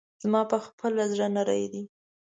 زما پخپله زړه نری دی.